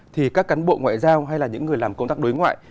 thì các cán bộ ngoại giao hay là những người làm công tác đối ngoại